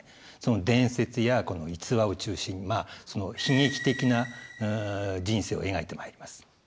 その伝説や逸話を中心にその悲劇的な人生を描いてまいります。